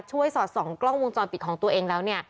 สอดส่องกล้องวงจรปิดของตัวเองแล้ว